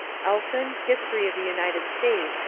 = Elson, History of the United States, pp.